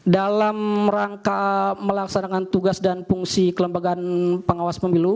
dalam rangka melaksanakan tugas dan fungsi kelembagaan pengawas pemilu